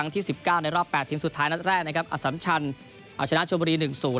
ที่สิบเก้าในรอบแปดถึงสุดท้ายนัดแรกนะครับอสัมชันเอาชนะชมบุรีหนึ่งศูนย์